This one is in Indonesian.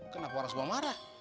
kenapa orang semua marah